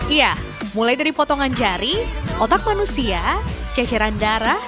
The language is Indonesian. iya mulai dari potongan jari otak manusia ceceran darah